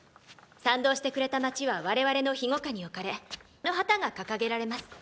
賛同してくれた街は我々の庇護下に置かれあの旗が掲げられます。